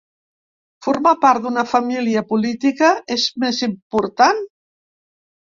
Formar part d’una família política és més important?